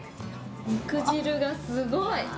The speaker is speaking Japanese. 肉汁がすごい。